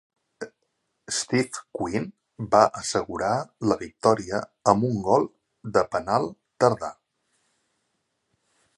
Steve Quinn va assegurar la victòria amb un gol de penal tardà.